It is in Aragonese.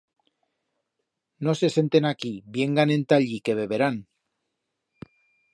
No se senten aquí, viengan enta allí, que beberán.